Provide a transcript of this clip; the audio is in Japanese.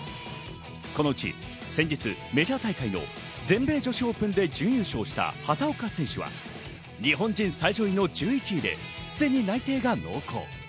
このうち先日メジャー大会の全米女子オープンで準優勝した畑岡選手は日本人最上位の１１位ですでに内定が濃厚。